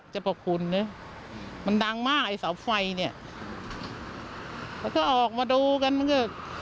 พระคุณนะมันดังมากไอ้เสาไฟเนี่ยแล้วก็ออกมาดูกันมันก็